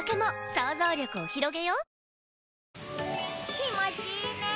気持ちいいね。